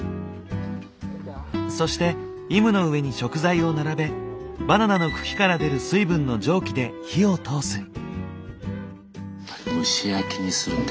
そしてイムの上に食材を並べバナナの茎から出る水分の蒸気で火を通す。